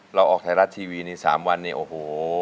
เราออกไทยรัฐทีวีนี่๓วันนี้โอ้โห